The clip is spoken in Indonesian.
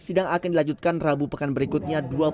sidang akan dilanjutkan rabu pekan berikutnya